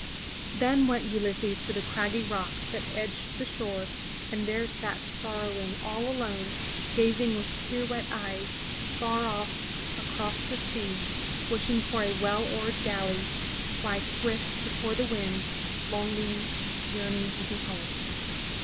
Then went Ulysses to the craggy rocks that edged the shore and there sat sorrowing all alone, gazing with tear wet eyes far off across the sea, wishing for a well oared galley to fly swift before the wind, longing, yearning to be home.